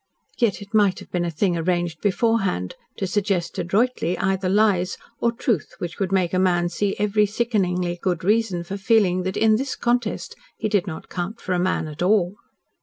Yet it might have been a thing arranged beforehand, to suggest adroitly either lies or truth which would make a man see every sickeningly good reason for feeling that in this contest he did not count for a man at all.